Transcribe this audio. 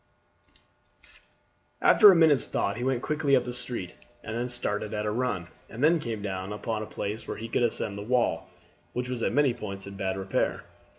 After a minute's thought he went quickly up the street, and then started at a run, and then came down upon a place where he could ascend the wall, which was at many points in bad repair.